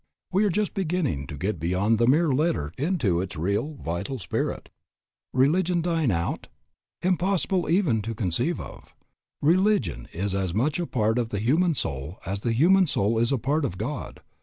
We are just beginning to get beyond the mere letter into its real, vital spirit. Religion dying out? Impossible even to conceive of. Religion is as much a part of the human soul as the human soul is a part of God.